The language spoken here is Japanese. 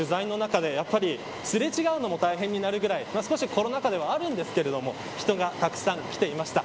去年も取材の中ですれ違うのも大変になるぐらい少し、コロナ禍ではあるんですけど人がたくさん来ていました。